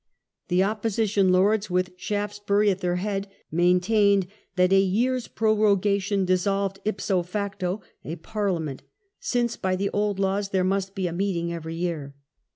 The opposition lords, with Shaftesbury at their head, maintained that a year's prorogation dissolved ipso facto a Parliament, since, by the old laws, there must be a meeting every year.